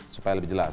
supaya lebih jelas